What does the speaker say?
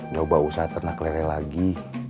gak usah ternak lele lagi